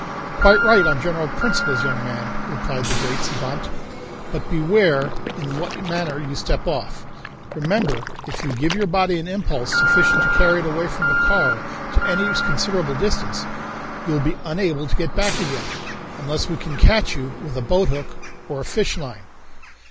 "Quite right on general principles, young man," replied the great savant, "but beware in what manner you step off. Remember, if you give your body an impulse sufficient to carry it away from the car to any considerable distance, you will be unable to get back again, unless we can catch you with a boathook or a fishline.